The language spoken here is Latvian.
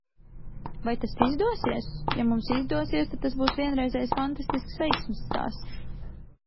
Vai tas izdosies? Ja mums izdosies – tad tas būs vienreizējs, fantastisks veiksmes stāsts.